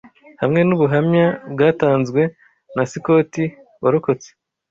Hamwe n'ubuhamya bwatanzwe na Sicoti warokotse